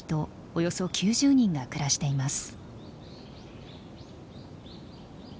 およそ９０人が暮らしています。